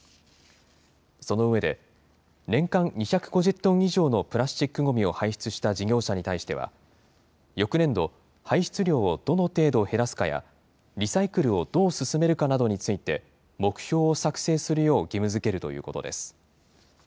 その上で、年間２５０トン以上のプラスチックごみを排出した事業者に対しては、翌年度、排出量をどの程度減らすかや、リサイクルをどう進めるかなどについて目標を作成するよう義務づけるということです。